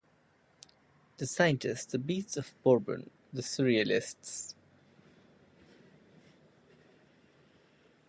The Scientists, The Beasts of Bourbon, The Surrealists.